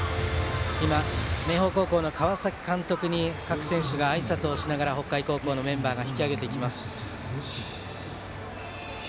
明豊高校の川崎監督に各選手があいさつをしながら北海高校のメンバーが引き揚げていきます。